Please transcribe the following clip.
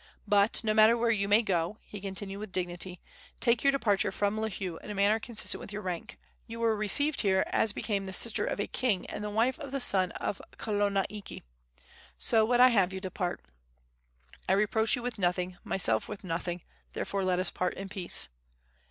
"But, no matter where you may go," he continued, with dignity, "take your departure from Lihue in a manner consistent with your rank. You were received here as became the sister of a king and the wife of the son of Kalona iki. So would I have you depart. I reproach you with nothing, myself with nothing; therefore let us part in peace."